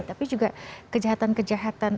tapi juga kejahatan kejahatan